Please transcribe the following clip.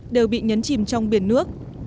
đều bị nhấn chìm trong biển nước